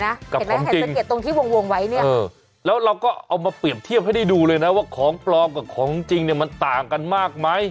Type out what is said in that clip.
เห็นไหมเห็นสะเก็ดตรงที่วงไว้เนี่ยแล้วเราก็เอามาเปรียบเทียบให้ได้ดูเลยนะว่าของปลอมกับของจริงเนี่ยมันต่างกันมากไหม